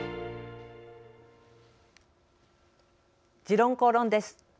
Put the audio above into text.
「時論公論」です。